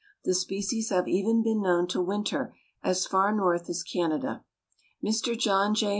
The species have even been known to winter as far north as Canada, Mr. John J.